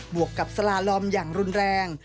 วกกับสลาลอมอย่างรุนแรง